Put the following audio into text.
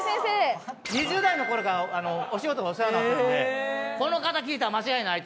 ２０代のころからお仕事でお世話になってるんでこの方に聞いたら間違いない。